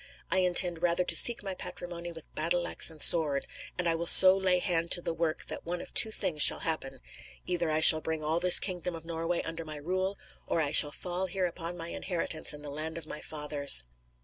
I intend rather to seek my patrimony with battle axe and sword, and I will so lay hand to the work that one of two things shall happen: Either I shall bring all this kingdom of Norway under my rule, or I shall fall here upon my inheritance in the land of my fathers."